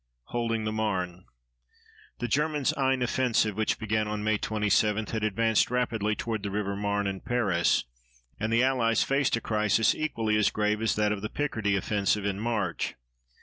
HOLDING THE MARNE The Germans' Aisne offensive, which began on May 27, had advanced rapidly toward the River Marne and Paris, and the Allies faced a crisis equally as grave as that of the Picardy offensive in March.